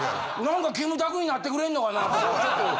なんかキムタクになってくれんのかなとか。